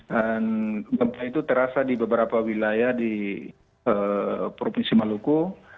dan gempa itu terasa di beberapa wilayah di provinsi maluku